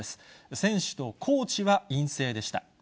選手とコーチは陰性でした。